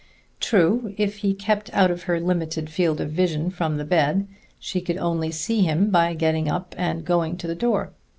True, if he kept out of her limited field of vision from the bed, she could only see him by getting up and going to the door.